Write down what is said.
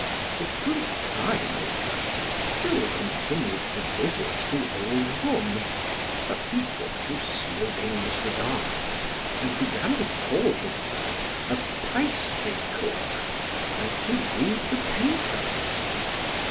The fruit pie maker still continued to visit the old room, but he took to smoking cigars, and began to call himself a pastrycook, and to read the papers.